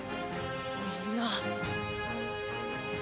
みんな。